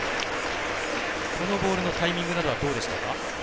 このボールのタイミングなどはどうでしたか？